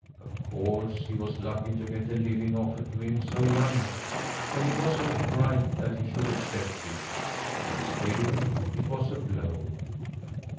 Of course, he was lucky to get a living offered to him so young, and it was only right that he should accept it, but still it was a blow.